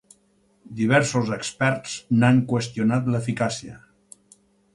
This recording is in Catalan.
Diversos experts n’han qüestionat l’eficàcia.